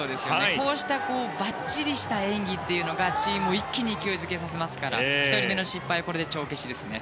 こうした、ばっちりした演技というのがチームを一気に勢い付けさせますから１人目の失敗はこれで帳消しですね。